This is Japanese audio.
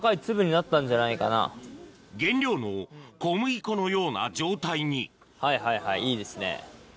原料の小麦粉のような状態にはいはいはいいいですね。